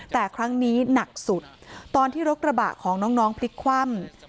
แต่ครั้งนี้หนักสุดตอนที่รถกระบะของน้องพลิกคว่ำ